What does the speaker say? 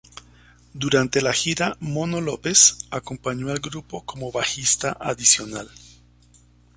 Durante la gira, "Mono" López acompañó al grupo como bajista adicional.